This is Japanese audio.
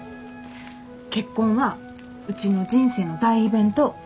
結婚はうちの人生の大イベント。